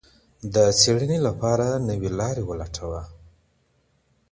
د څېړنې لپاره نوي لاري ولټوه.